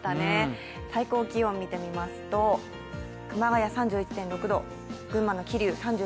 最高気温を見てみますと、熊谷３１．６度、群馬の桐生、３２．２度。